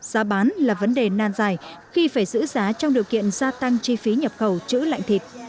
giá bán là vấn đề nan dài khi phải giữ giá trong điều kiện gia tăng chi phí nhập khẩu chữ lạnh thịt